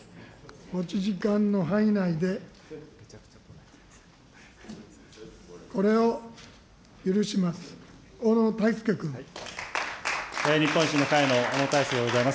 持ち時間の範囲内で、これを許します。